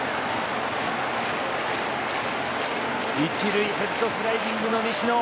１塁ヘッドスライディングの西野。